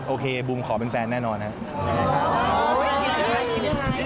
โอเคบุมขอเป็นแฟนแน่นอนครับ